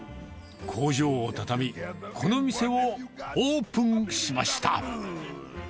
工場を畳み、この店をオープンしました。